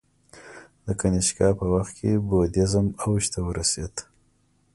د کنیشکا په وخت کې بودیزم اوج ته ورسید